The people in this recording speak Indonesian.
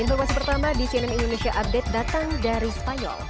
informasi pertama di cnn indonesia update datang dari spanyol